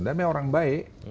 dan memang orang baik